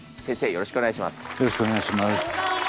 よろしくお願いします。